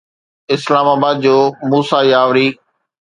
اسلام آباد جو موسيٰ ياوري